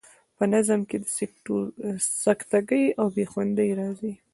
په نظم کې سکته ګي او بې خوندي راځي.